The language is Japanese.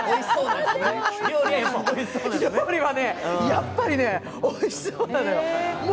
料理はね、やっぱりおいしそうなのよ。